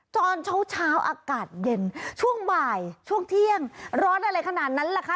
ตอนเช้าเช้าอากาศเย็นช่วงบ่ายช่วงเที่ยงร้อนอะไรขนาดนั้นล่ะคะ